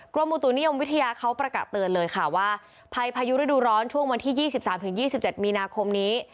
กรมมุตุนิยมวิทยาเขาประกะเตือนเลยค่ะว่าภายพายุฤดูร้อนช่วงวันที่ยี่สิบสามถึงยี่สิบเจ็ดมีนาคมนี้